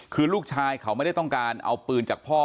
คือลูกชายเขาไม่ได้ต้องการเอาปืนจากพ่อ